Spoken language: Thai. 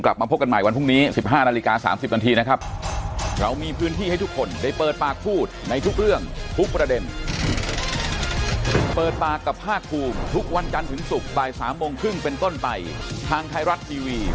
กลับมาพบกันใหม่วันพรุ่งนี้๑๕นาฬิกา๓๐นาทีนะครับ